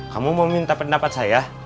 kamu mau minta pendapat saya